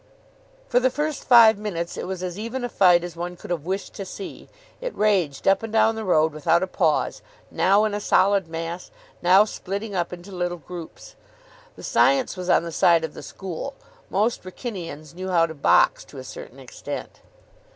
For the first five minutes it was as even a fight as one could have wished to see. It raged up and down the road without a pause, now in a solid mass, now splitting up into little groups. The science was on the side of the school. Most Wrykynians knew how to box to a certain extent.